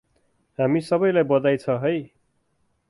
हामी सबैलाई बधाइ छ है ।